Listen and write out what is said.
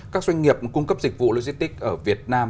các doanh nghiệp cung cấp dịch vụ lôi stick ở việt nam